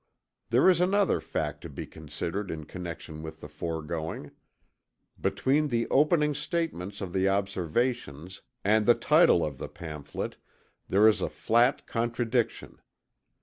There is another fact to be considered in connection with the foregoing. Between the opening statements of the Observations and the title to the pamphlet there is a flat contradiction.